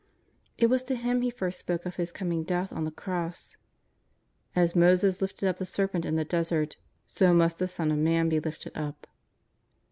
''* It was to him He first spoke of His coming death on the Cross: ^^As Moses lifted up the serpent in the desert, so must the Son of Man be lifted up."